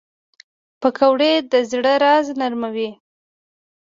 پکورې د زړه درزا نرموي